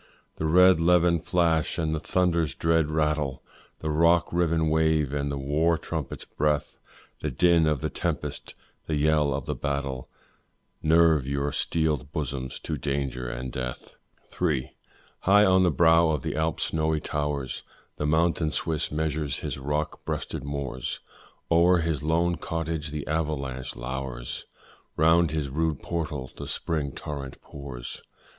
The red levin flash and the thunder's dread rattle, The rock riven wave and the war trumpet's breath, The din of the tempest, the yell of the battle, Nerve your steeled bosoms to danger and death. III. High on the brow of the Alps' snowy towers The mountain Swiss measures his rock breasted moors, O'er his lone cottage the avalanche lowers, Round its rude portal the spring torrent pours.